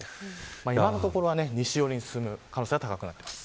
今のところは西寄りに進む可能性が高いです。